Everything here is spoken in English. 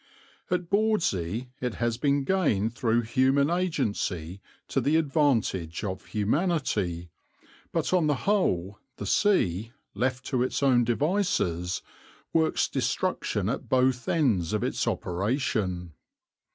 At Bawdsey it has been gained through human agency to the advantage of humanity, but on the whole the sea, left to its own devices, works destruction at both ends of its operation.